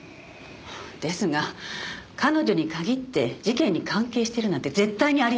ですが彼女に限って事件に関係しているなんて絶対にありえません。